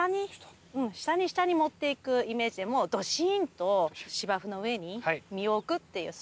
下に下に持っていくイメージでどしーんと芝生の上に身を置くっていうそういうイメージです。